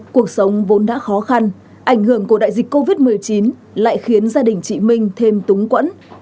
cuộc sống vốn đã khó khăn ảnh hưởng của đại dịch covid một mươi chín lại khiến gia đình chị minh thêm túng quẫn